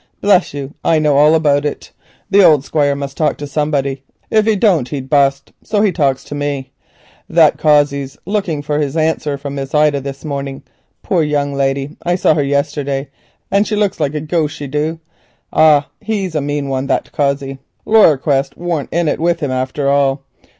Bless you, I know all about it; the old Squire must talk to somebody; if he don't he'd bust, so he talks to me. That Cossey's coming for his answer from Miss Ida this morning. Poor young lady, I saw her yesterday, and she looks like a ghost, she du. Ah, he's a mean one, that Cossey. Laryer Quest warn't in it with him after all.